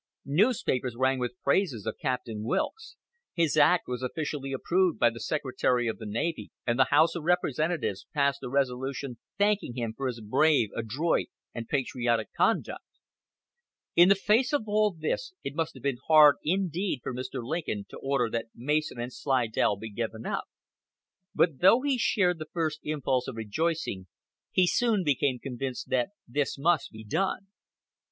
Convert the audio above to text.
Newspapers rang with praises of Captain Wilkes; his act was officially approved by the Secretary of the Navy, and the House of Representatives passed a resolution thanking him for his "brave, adroit, and patriotic conduct." In the face of all this it must have been hard indeed for Mr. Lincoln to order that Mason and Slidell be given up; but though he shared the first impulse of rejoicing, he soon became convinced that this must be done.